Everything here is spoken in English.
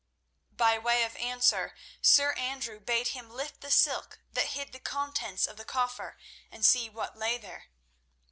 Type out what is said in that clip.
By way of answer Sir Andrew bade him lift the silk that hid the contents of the coffer and see what lay there.